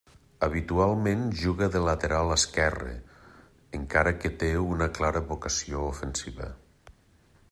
Habitualment juga de lateral esquerre, encara que té una clara vocació ofensiva.